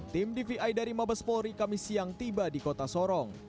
tim dvi dari mabes polri kami siang tiba di kota sorong